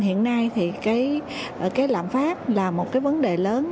hiện nay thì cái lạm phát là một cái vấn đề lớn